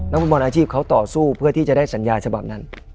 ฟุตบอลอาชีพเขาต่อสู้เพื่อที่จะได้สัญญาฉบับนั้น